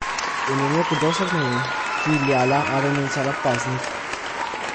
În urmă cu două săptămâni, filiala a renunțat la paznic.